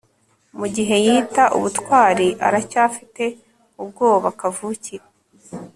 Mugihe yita ubutwari aracyafite ubwoba kavukire